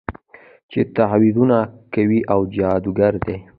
چې تعويذونه کوي او جادوګرې دي.